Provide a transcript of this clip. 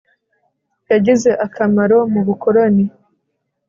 yagize akamaro mu bukoloni